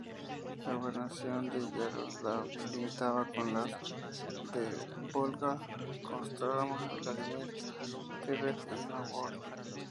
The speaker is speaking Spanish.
La gobernación de Yaroslavl limitaba con las de Vólogda, Kostromá, Vladímir, Tver y Nóvgorod.